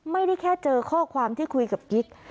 ไม่ได้แค่เจอข้อความที่คุยกับกิ๊ก